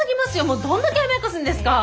もうどんだけ甘やかすんですか！